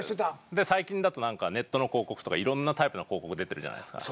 で最近だとネットの広告とかいろんなタイプの広告出てるじゃないですか。